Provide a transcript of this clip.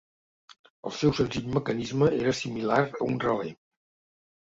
El seu senzill mecanisme era similar a un relé.